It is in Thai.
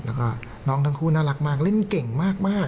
แล้วก็น้องทั้งคู่น่ารักมากเล่นเก่งมาก